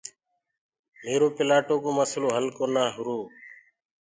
ميرو پِلآٽو ڪو مسلو هل ڪونآ هُرو۔